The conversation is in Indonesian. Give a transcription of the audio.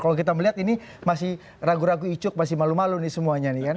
kalau kita melihat ini masih ragu ragu icuk masih malu malu nih semuanya nih kan